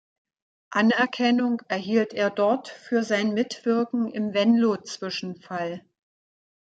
Anerkennung erhielt er dort für sein Mitwirken im Venlo-Zwischenfall.